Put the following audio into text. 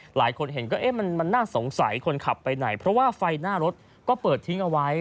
หลายคนเห็นก็เอ๊ะมันน่าสงสัยคนขับไปไหนเพราะว่าไฟหน้ารถก็เปิดทิ้งเอาไว้